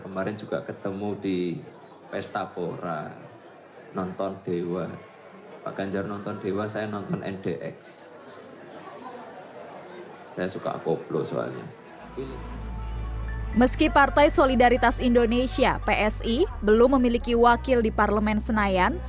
meski partai solidaritas indonesia psi belum memiliki wakil di parlemen senayan